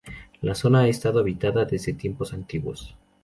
La zona ha estado habitada desde tiempos antiguos.